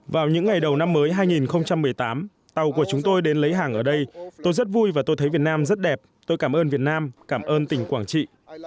vào những ngày đầu năm mới hai nghìn một mươi tám tàu của chúng tôi đến lấy hàng ở đây tôi rất vui và tôi thấy việt nam rất đẹp tôi cảm ơn việt nam cảm ơn tỉnh quảng trị